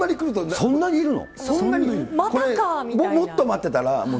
そんなにいるの？